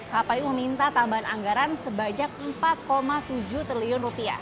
kpu meminta tambahan anggaran sebanyak rp empat tujuh triliun